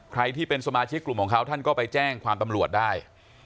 ใครที่เป็นสมาชิกกลุ่มของเขาท่านก็ไปแจ้งความตำรวจได้